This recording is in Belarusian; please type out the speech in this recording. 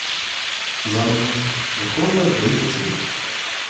Замужам, выхоўвае дваіх дзяцей.